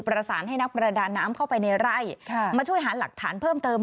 ประดานน้ำเข้าไปในไร่มาช่วยหาหลักฐานเพิ่มเติม